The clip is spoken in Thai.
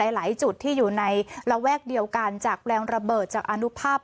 หลายจุดที่อยู่ในระแวกเดียวกันจากแรงระเบิดจากอนุภาพ